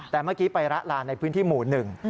แต่เมื่อกี้ไปละลานในพื้นที่หมู่หนึ่ง